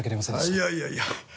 いやいやいや。